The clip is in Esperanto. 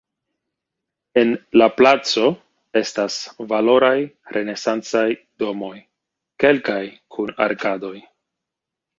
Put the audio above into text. En la placo estas valoraj renesancaj domoj, kelkaj kun arkadoj.